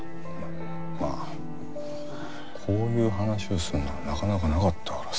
まあこういう話をするのはなかなかなかったからさ。